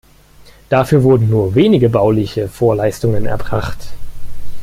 Dafür wurden nur wenige bauliche Vorleistungen erbracht.